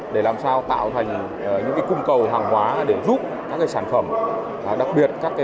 để làm sao tạo thành những cung cầu hàng hóa để giúp các sản phẩm đặc biệt các sản phẩm chủ lực của hà nội có thể cung cấp các dịch vụ